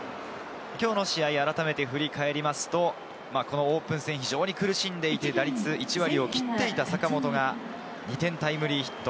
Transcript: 今日の試合をあらためて振り返りますと、オープン戦、非常に苦しんでいて、打率１割を切っていた坂本が２点タイムリーヒット。